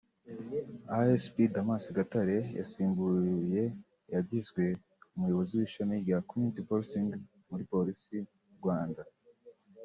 Acp Damas Gatare yasimbuye yagizwe umuyobozi w’ishami rya ‘Community Policing’ muri Polisi y’u Rwanda